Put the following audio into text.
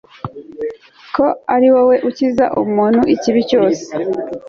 ko ari wowe ukiza umuntu ikibi cyose